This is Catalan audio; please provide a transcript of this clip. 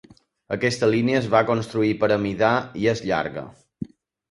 Aquesta línia es va construir per amidar i és llarga.